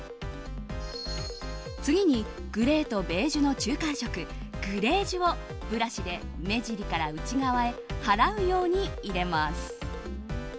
次にグレーとベージュの中間色グレージュをブラシで目尻から内側へ払うように入れます。